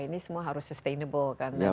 ini semua harus sustainable